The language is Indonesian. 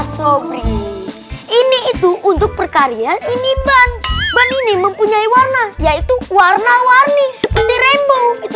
sopri ini itu untuk perkarian ini ban ban ini mempunyai warna yaitu warna warni seperti rainbow itu